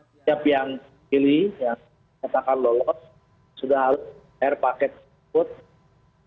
setiap yang pilih yang katakan lolos sudah ada paket yang ditutup